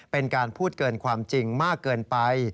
เป็นการพูดเกินความจริงมากเกินไป